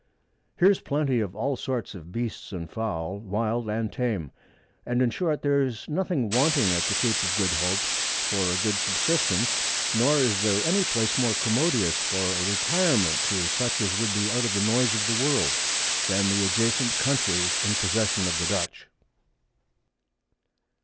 Here's plenty of all sorts of Beasts and Fowl, wild and tame; and in short, there's nothing wanting at the Cape of Good Hope, for a good Subsistence; nor is there any Place more commodious for a Retirement to such as would be out of the Noise of the World, than the adjacent Country in possession of the Dutch.